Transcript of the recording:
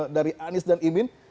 dari anies dan imin